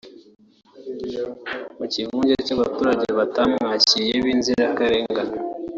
mu kivunge cy’abaturage batamwakuye b’inzirakarengane